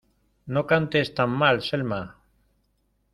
¡No cantes tan mal, Selma!